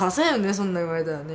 そんなん言われたらね。